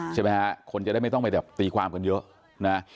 ใช่ไหมฮะคนจะได้ไม่ต้องไปแบบตีความกันเยอะนะ